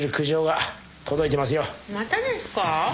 またですか？